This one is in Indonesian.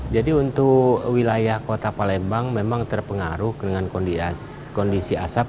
jadi untuk wilayah kota palembang memang terpengaruh dengan kondisi asap